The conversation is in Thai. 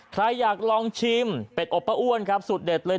ใครอยากลองชิมเป็ดอบป้าอ้วนครับสูตรเด็ดเลย